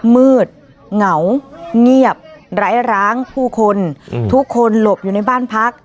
มืดเหงาเงียบไร้ร้างผู้คนทุกคนหลบอยู่ในบ้านพัก